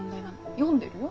読んでるよ？